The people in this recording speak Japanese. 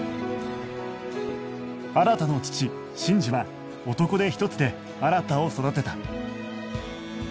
新の父信二は男手一つで新を育てた